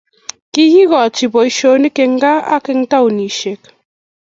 Kekoch boisionik eng gaa ak eng taonisiek.